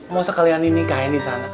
mau sekalian nih nikahin disana